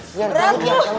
biar cabut biar cabut